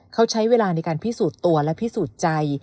เขาใช้เวลาในการพิสูจน์ตัวและพิสูจน์ใจ